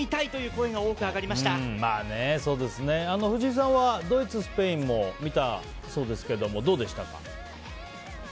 声が藤井さんはドイツ、スペインも見たそうですけどどうでしたか？